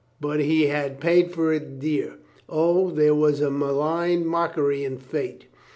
But he had paid for it dear. O, there was a malign mockery in fate.